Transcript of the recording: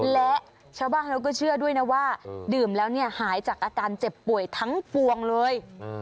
และชาวบ้านเขาก็เชื่อด้วยนะว่าดื่มแล้วเนี่ยหายจากอาการเจ็บป่วยทั้งปวงเลย